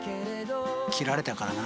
切られたからな。